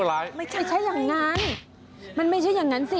ไม่ใช่ใช้อย่างนั้นมันไม่ใช่อย่างนั้นสิ